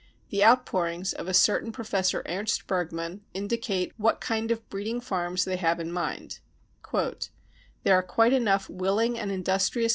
The out pourings of a certain Professor Ernst Bergmann indicate what kind of breeding farms they have in mind : £e There are quite enough willing and industrious